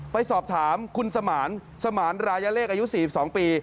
ไปสอบถามคุณสมานสมานรายเลขอายุ๔๒ปี